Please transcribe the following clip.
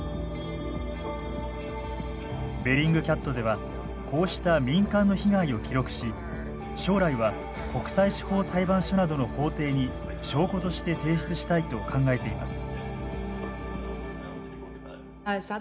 ベリングキャットではこうした民間の被害を記録し将来は国際司法裁判所などの法廷に証拠として提出したいと考えています。